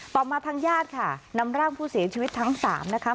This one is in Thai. มาทางญาติค่ะนำร่างผู้เสียชีวิตทั้ง๓นะคะ